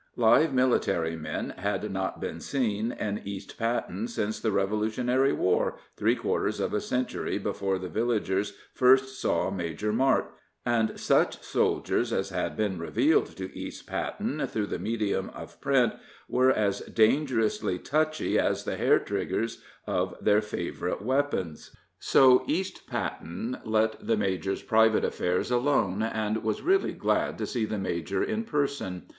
Live military men had not been seen in East Patten since the Revolutionary War, three quarters of a century before the villagers first saw Major Martt; and such soldiers as had been revealed to East Patten through the medium of print were as dangerously touchy as the hair triggers of their favorite weapons. So East Patten let the major's private affairs alone, and was really glad to see the major in person.